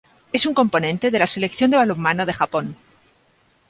Es un componente de la Selección de balonmano de Japón.